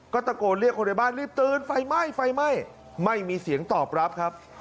ก็ตะโกนเรียกคนในบ้านรีบตื่นไฟไหม้ไฟไหม้ไม่มีเสียงตอบรับครับ